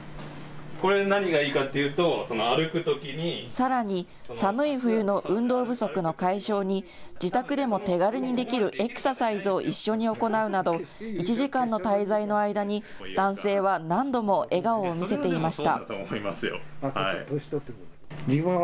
さらに寒い冬の運動不足の解消に自宅でも手軽にできるエクササイズを一緒に行うなど１時間の滞在の間に男性は何度も笑顔を見せていました。